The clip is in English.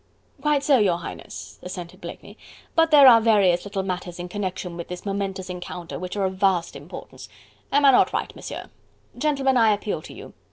"Quite so, your Highness," assented Blakeney, "but there are various little matters in connection with this momentous encounter which are of vast importance.... Am I not right, Monsieur?... Gentlemen, I appeal to you....